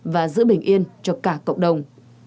và giữ bình yên cho cả cộng đồng